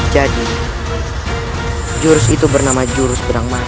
jadi jurus itu bernama jurus yang baru